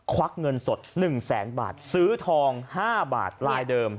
ควักเงินสดหนึ่งแสนบาทซื้อทองห้าบาทลายเดิม